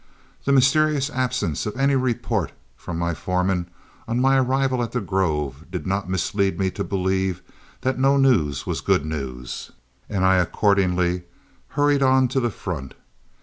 The mysterious absence of any report from my foreman on my arrival at the Grove did not mislead me to believe that no news was good news, and I accordingly hurried on to the front.